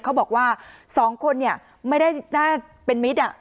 เขาบอกว่าสองคนเนี่ยไม่ได้น่าเป็นมิตร